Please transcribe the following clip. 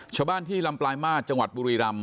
ชาวบ้านที่ลำปลายมาตรจังหวัดบุรีรำ